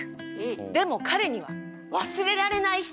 でも彼には忘れられない人がいました！